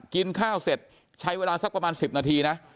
กินข้าวเสร็จใช้เวลาสักประมาณ๑๐นาทีนะ